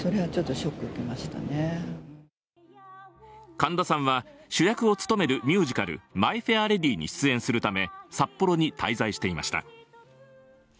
神田さんは主役を務めるミュージカル「マイ・フェア・レディ」に出演するため札幌に滞在していました。